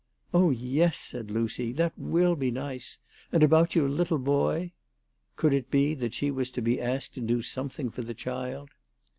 " Oh, yes," said Lucy, " that will be nice; and about your little boy ?" Could it be that she was to be asked to do something for the child